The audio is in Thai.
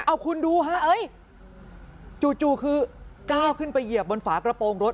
เอาคุณดูฮะจู่คือก้าวขึ้นไปเหยียบบนฝากระโปรงรถ